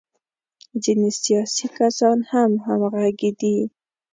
ځینې سیاسي کسان هم همغږي دي.